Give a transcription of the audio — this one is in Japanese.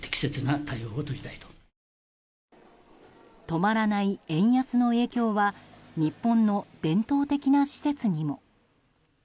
止まらない円安の影響は日本の伝統的な施設にも。